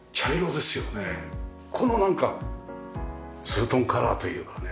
このツートンカラーというかね